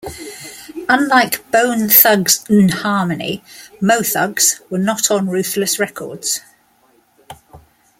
Unlike Bone Thugs-n-Harmony, Mo Thugs were not on Ruthless Records.